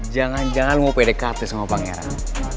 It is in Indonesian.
jangan jangan lo mau pdkt sama pangeran